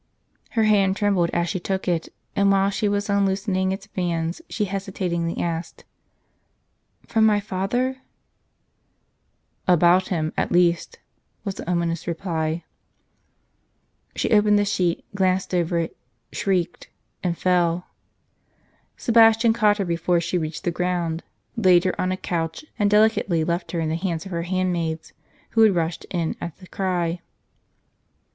Her hand trembled as she took it; and while she was unloosening its bands, she hesitatingly asked :" From my father ?" "About him, at least," was the ominous reply. She opened the sheet, glanced over it, shrieked, and fell. Sebastian caught her before she reached the ground, laid her on a couch, and delicately left her in the hands of her hand maids, who had rushed in at the cry.